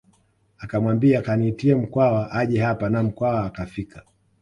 Akamwambia kaniitie Mkwawa aje hapa na Mkwawa akafika